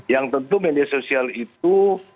yang tentu media sosial itu